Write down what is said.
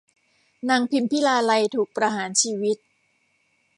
นางพิมพิลาไลยถูกประหารชีวิต